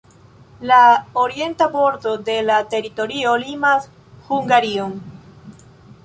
La orienta bordo de la teritorio limas Hungarion.